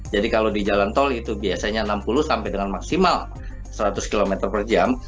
jadi kalau di jalan tol itu biasanya enam puluh sampai dengan maksimal seratus km per jam